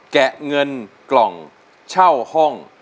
แกะเงินกล่องเช่าห้อง